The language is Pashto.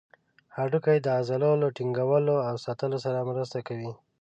هډوکي د عضلو له ټینګولو او ساتلو سره مرسته کوي.